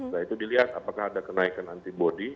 nah itu dilihat apakah ada kenaikan antibody